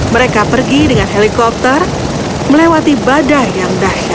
mereka pergi dengan helikopter melewati badai yang dahi